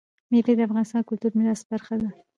مېوې د افغانستان د کلتوري میراث برخه ده.